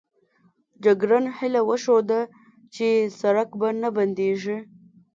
جګړن هیله وښوده چې سړک به نه بندېږي.